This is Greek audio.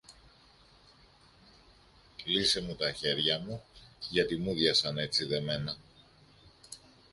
Λύσε μου τα χέρια μου, γιατί μούδιασαν έτσι δεμένα.